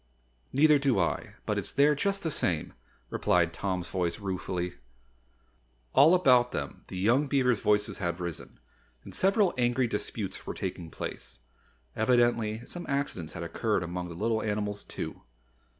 "Neither do I, but it's there just the same," replied Tom's voice ruefully. All about them the young beavers' voices had risen, and several angry disputes were taking place. Evidently some accidents had occurred among the little animals, too.